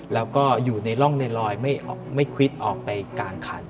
แล้วก็อยู่ในร่องในรอยไม่ควิดออกไปกลางคัน